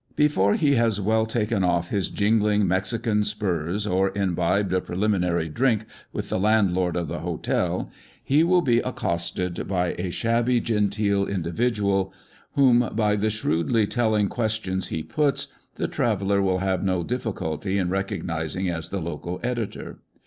Before he has well taken off his jingling Mexican spurs, or imbibed a preliminary " drink" with the landlord of the "Ho tel," he will be accosted by a shabby genteel individual whom, by the shrewdly telling ques tions he puts, the traveller will have no difficulty in recognising as the local editor.